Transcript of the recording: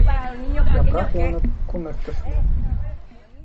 Япраҡ янып, күмер төшмәҫ.